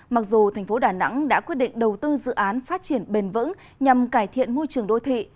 mặc dù thành phố đà nẵng đã quyết định đầu tư dự án phát triển bền vững nhằm cải thiện môi trường đô thị